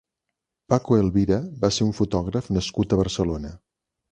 Paco Elvira va ser un fotògraf nascut a Barcelona.